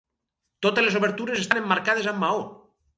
Totes les obertures estan emmarcades amb maó.